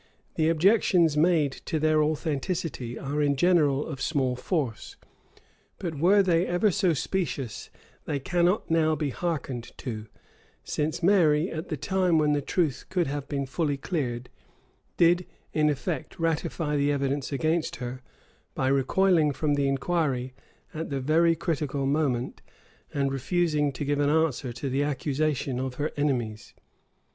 The objections made to their authenticity are in general of small force: but were they ever so specious, they cannot now be hearkened to; since Mary, at the time when the truth could have been fully cleared, did in effect ratify the evidence against her, by recoiling from the inquiry at the very critical moment, and refusing to give an answer to the accusation of her enemies.